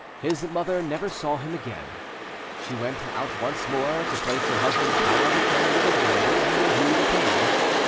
His mother never saw him again. She went out once more to place her husband's power of attorney with a lawyer in the rue de Paon.